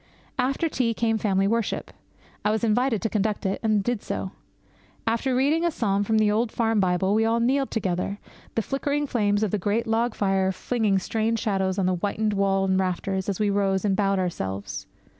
After tea came family worship. I was invited to conduct it, and did so. After reading a psalm from the old farm Bible, we all kneeled together, the flickering flames of the great log fire flinging strange shadows on the whitened wall and rafters as we rose and bowed ourselves.